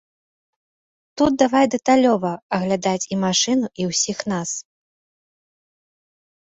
Тут давай дэталёва аглядаць і машыну, і ўсіх нас.